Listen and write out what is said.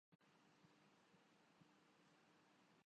ایک عبوری حکومت بنی۔